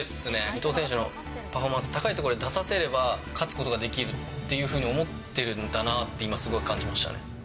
伊藤選手のパフォーマンス、高いところで出させれば勝つことができるっていうふうに思ってるんだなって、今すごい感じましたね。